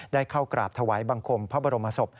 ได้เข้ากราบถวายบังคมพระบรมศพ